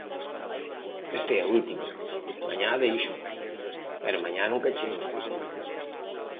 Esta é a última, mañá déixoo, pero mañá nunca chega.